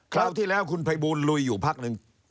ราวที่แล้วคุณภัยบูลลุยอยู่พักหนึ่ง